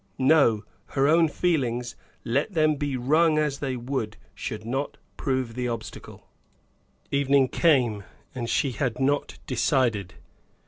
No, her own feelings, let them be wrung as they would, should not prove the obstacle. Evening came, and she had not decided.